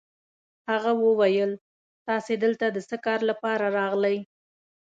هغه وویل: تاسي دلته د څه کار لپاره راغلئ؟